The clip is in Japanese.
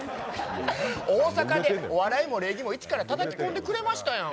大阪でお笑いも礼儀もいちからたたき込んでくれましたやん。